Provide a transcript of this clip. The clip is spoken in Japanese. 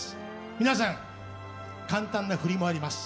皆さん、簡単な振りもあります。